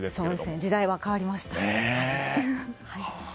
時代は変わりました。